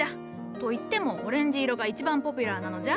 といってもオレンジ色が一番ポピュラーなのじゃ。